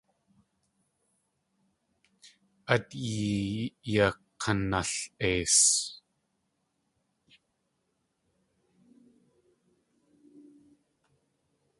Át iyakanal.eis.